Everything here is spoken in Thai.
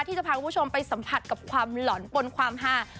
ที่จะพาคุณผู้ชมไปสัมผัสกับความหล่อนปนความฮา